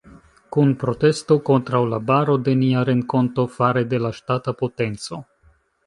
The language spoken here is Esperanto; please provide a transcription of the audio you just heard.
Kun protesto kontraŭ la baro de nia renkonto fare de la ŝtata potenco.